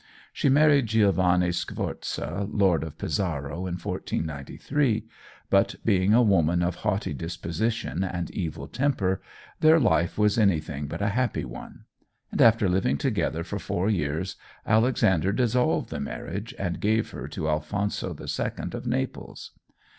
She married Giovanni Sforza, Lord of Pesaro, in 1493, but being a woman of haughty disposition and evil temper, their life was anything but a happy one; and after living together for four years, Alexander dissolved the marriage, and gave her to Alphonso II of Naples.